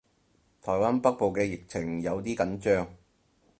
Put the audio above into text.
台灣北部嘅疫情有啲緊張